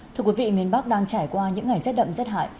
thưa quý vị miền bắc đang trải qua những ngày rất đậm rất hại